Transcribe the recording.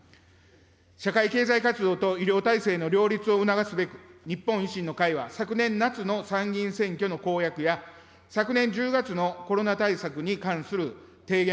社会経済活動と医療体制の両立を促すべく、日本維新の会は、昨年夏の参議院選挙の公約や、昨年１０月のコロナ対策に関する提言